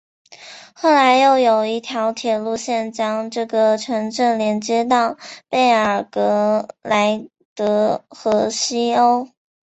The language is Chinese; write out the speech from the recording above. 后来又有一条铁路线将这个城镇连接到贝尔格莱德和西欧。